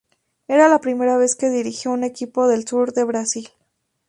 Era la primera vez que dirigió un equipo del sur de Brasil.